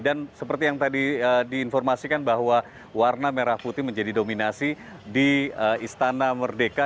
dan seperti yang tadi diinformasikan bahwa warna merah putih menjadi dominasi di istana merdeka